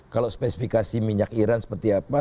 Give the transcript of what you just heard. kalau spesifikasi minyak iran seperti apa